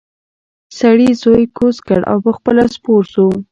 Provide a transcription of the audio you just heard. سړي زوی کوز کړ او پخپله سپور شو.